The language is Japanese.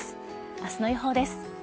明日の予報です。